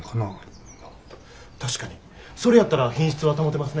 確かにそれやったら品質は保てますね。